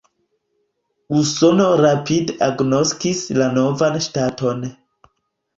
Usono rapide agnoskis la novan ŝtaton.